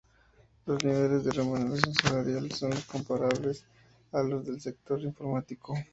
Los niveles de remuneración salarial son comparables a los de las del sector informático.